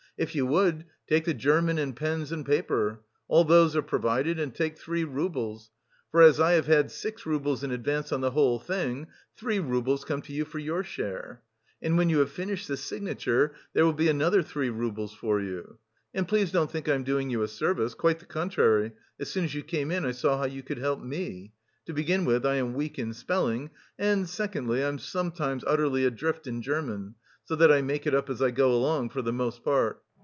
_' If you would, take the German and pens and paper all those are provided, and take three roubles; for as I have had six roubles in advance on the whole thing, three roubles come to you for your share. And when you have finished the signature there will be another three roubles for you. And please don't think I am doing you a service; quite the contrary, as soon as you came in, I saw how you could help me; to begin with, I am weak in spelling, and secondly, I am sometimes utterly adrift in German, so that I make it up as I go along for the most part.